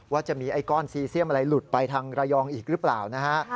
ว่าจะมีไอ้ก้อนซีเซียมอะไรหลุดไปทางระยองอีกหรือเปล่านะฮะ